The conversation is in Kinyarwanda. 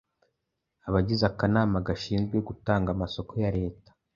abagize akanama gashinzwe gutanga amasoko ya Leta